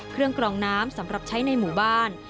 กรองน้ำสำหรับใช้ในหมู่บ้าน